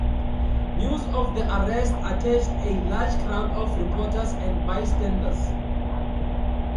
News of the arrest attracted a large crowd of reporters and bystanders.